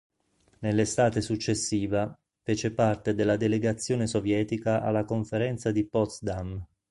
Nell'estate successiva fece parte della delegazione sovietica alla Conferenza di Potsdam.